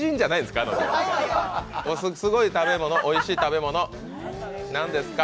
すごい食べ物、おいしい食べ物、何ですか？